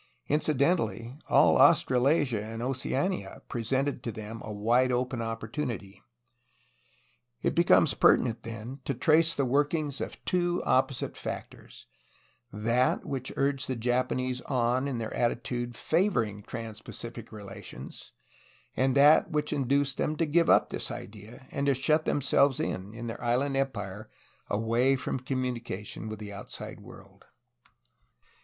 Incidentally, all Australasia and Oceania presented to them a wide open opportunity. It becomes pertinent, then, to trace the work ings of two opposite factors : that which urged the Japanese on in their attitude favoring trans Pacific relations; and that which induced them to give up this idea and to shut them selves in, in their island empire, away from communication with the outside world.